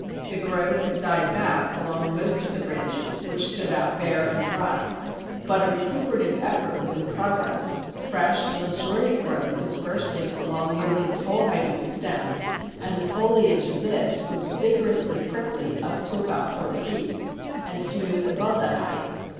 The growth had died back along most of the branches, which stood out bare and dry; but a recuperative effort was in progress; fresh and luxuriant growth was bursting along nearly the whole height of the stem, and the foliage of this was vigorously prickly up to about four feet, and smooth above that height.